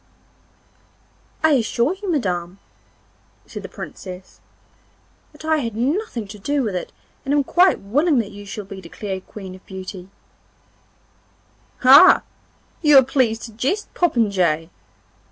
'I assure you, Madam,' said the Princess, 'that I had nothing to do with it and am quite willing that you shall be declared Queen of Beauty 'Ah! you are pleased to jest, popinjay!